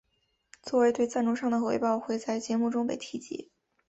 作为对赞助商的回报会在节目中被提及。